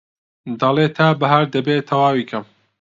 دەڵێ تا بەهار دەبێ تەواوی کەم